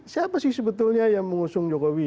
siapa sih sebetulnya yang mengusung jokowi